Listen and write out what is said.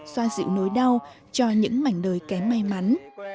soan dịu nỗi đau cho những mảnh lời ké may mắn